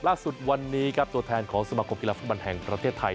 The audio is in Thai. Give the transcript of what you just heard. ล่าสุดวันนี้ครับตัวแทนของสมาคมกีฬาฟุตบอลแห่งประเทศไทย